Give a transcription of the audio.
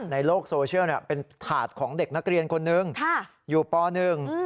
ในโลกโซเชียลเป็นถาดของเด็กนักเรียนคนหนึ่งอยู่ปหนึ่ง